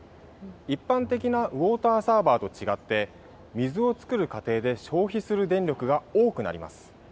一般的なウォーターサーバーと違って水を作る過程で消費する電力が多くなります。